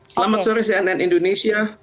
selamat sore cnn indonesia